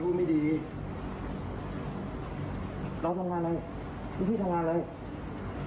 ผมเป็นคนธรรมดาประชาชนทั่วไปหรอกพี่